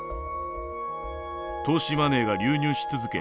投資マネーが流入し続け